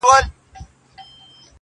سر له کتابه کړه راپورته-